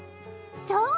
そう！